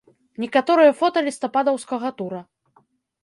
Некаторыя фота лістападаўскага тура.